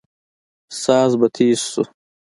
ساز به تېز سو.